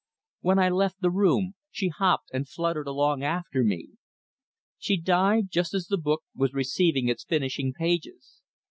When I left the room she hopped and fluttered along after me. She died just as the book was receiving its finishing pages.